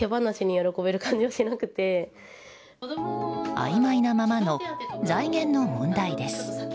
あいまいなままの財源の問題です。